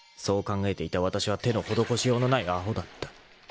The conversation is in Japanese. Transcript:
［そう考えていたわたしは手の施しようのないアホだった］